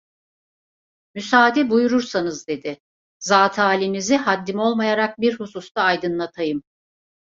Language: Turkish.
Müsaade buyurursanız dedi, "zatıalinizi haddim olmayarak bir hususta aydınlatayım."